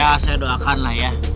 ya saya doakan lah ya